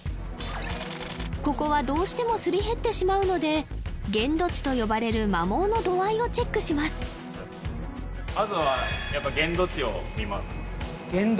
ここはどうしてもすり減ってしまうので限度値と呼ばれる摩耗の度合いをチェックします限度値を見る？